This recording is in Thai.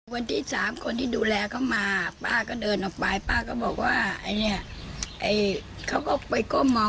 วันที่สามคนที่ดูแลเขามาป้าก็เดินออกไปป้าก็บอกว่าไอ้เนี่ยไอ้เขาก็ไปก้มมอง